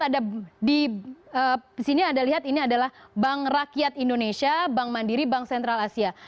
ada di sini anda lihat ini adalah bank rakyat indonesia bank mandiri bank sentral asia